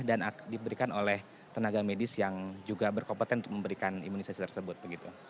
dan diberikan oleh tenaga medis yang juga berkompetensi untuk memberikan imunisasi tersebut begitu